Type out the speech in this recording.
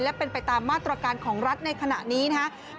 และเป็นไปตามมาตรการของรัฐในขณะนี้นะครับ